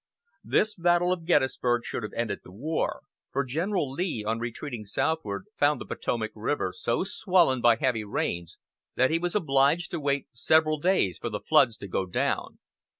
This battle of Gettysburg should have ended the war, for General Lee, on retreating southward, found the Potomac River so swollen by heavy rains that he was obliged to wait several days for the floods to go down.